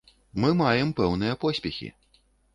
Мы маем пэўныя поспехі.